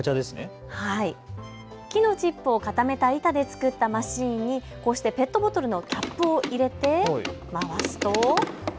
木のチップを固めた板で作ったマシーンにペットボトルのキャップを入れて回すと。